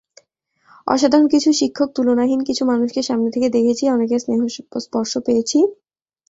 অসাধারণ কিছু শিক্ষক, তুলনাহীন কিছু মানুষকে সামনে থেকে দেখেছি, অনেকের স্নেহ-স্পর্শ পেয়েছি।